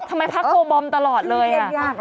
ทำไมพักโกบอมตลอดเลยอะ